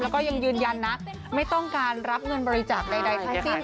แล้วก็ยังยืนยันนะไม่ต้องการรับเงินบริจาคใดทั้งสิ้น